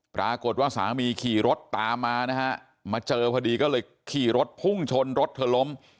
ปรากฏว่าสามีขี่รถตามมานะฮะมาเจอพอดีก็เลยขี่รถพุ่งชนรถเธอล้ม